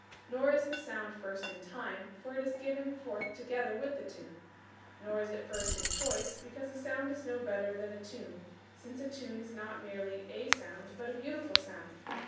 Nor is the sound first in time, for it is given forth together with the tune. Nor is it first in choice, because a sound is no better than a tune, since a tune is not merely a sound but a beautiful sound.